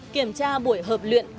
kiểm tra buổi hợp luyện